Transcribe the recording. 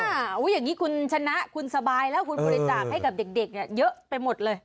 อย่างนี้คุณชนะคุณสบายแล้วคุณบริจาคให้กับเด็กเยอะไปหมดเลย